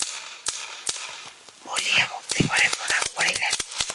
বলিয়া ভক্তিভরে প্রণাম করিলেন।